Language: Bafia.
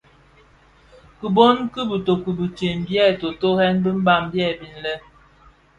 Kiboň ki bitoki bitsem bi byè totorèn bi Mbam byèbi lè: